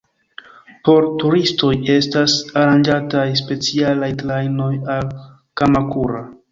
Por turistoj estas aranĝataj specialaj trajnoj al Kamakura.